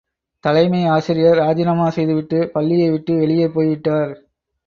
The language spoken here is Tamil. தலைமை ஆசிரியர் ராஜினாமா செய்துவிட்டு பள்ளியை விட்டு வெளியே போய்விட்டார்.